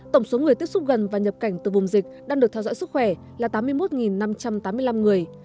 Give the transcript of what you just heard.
tổng số người tiếp xúc gần và nhập cảnh từ vùng dịch đang được theo dõi sức khỏe là tám mươi một năm trăm tám mươi năm người